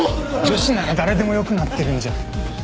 女子なら誰でもよくなってるんじゃ。